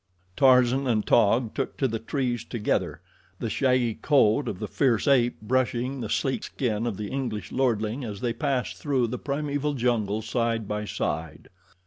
Tarzan and Taug took to the trees together, the shaggy coat of the fierce ape brushing the sleek skin of the English lordling as they passed through the primeval jungle side by side.